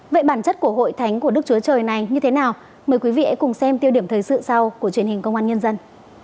vậy bản chất của hội thánh của đức chúa trời này như thế nào mời quý vị hãy cùng xem tiêu điểm thời sự sau của truyền hình công an nhân dân